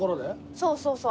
そうそうそう。